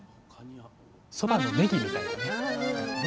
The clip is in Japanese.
そばのねぎみたいなね。